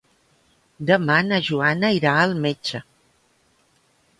Demà na Joana irà al metge.